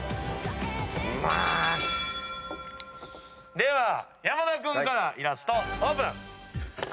では山田君からイラストオープン。